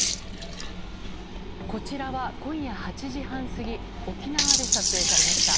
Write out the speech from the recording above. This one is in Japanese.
こちらは今夜８時半過ぎ沖縄で撮影されました。